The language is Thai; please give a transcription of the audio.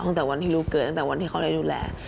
ตั้งแต่วันที่ลูกเกิดตั้งแต่วันที่เขาได้ดูแล